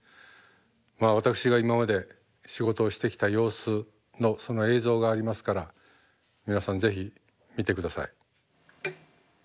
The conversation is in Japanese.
まあ私が今まで仕事をしてきた様子のその映像がありますから皆さんぜひ見て下さい。